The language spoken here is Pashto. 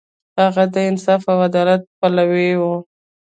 هغه د انصاف او عدالت پلوی و.